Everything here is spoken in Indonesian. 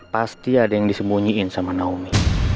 pasti ada yang disembunyiin sama naomi